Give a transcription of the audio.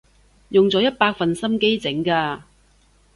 用咗一百分心機整㗎